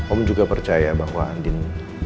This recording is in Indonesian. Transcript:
om juga percaya bahwa andin